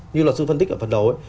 như là sư phân tích ở phần đầu